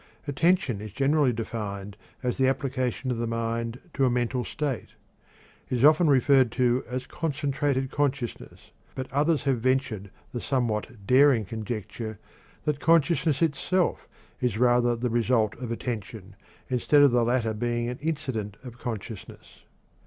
Attention is generally defined as "the application of the mind to a mental state." It is often referred to as "concentrated consciousness," but others have ventured the somewhat daring conjecture that consciousness itself is rather the result of attention, instead of the latter being an incident of consciousness.